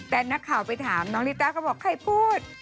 แต่นักข่าวไปถามน้องลิต้าก็บอกใครพูด